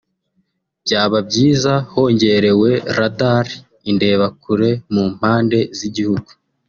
byaba byiza hongerewe radar (indebakure) mu mpande z’igihugu